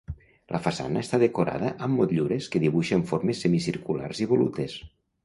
La façana està decorada amb motllures que dibuixen formes semicirculars i volutes.